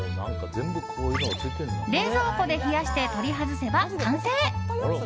冷蔵庫で冷やして取り外せば完成。